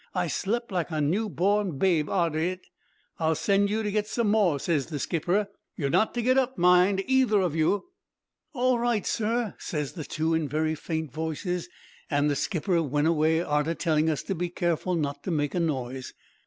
I slep' like a new born babe arter it.' "'I'll send you to get some more,' ses the skipper. 'You're not to get up, mind, either of you.' "'All right, sir,' ses the two in very faint voices, an' the skipper went away arter telling us to be careful not to make a noise.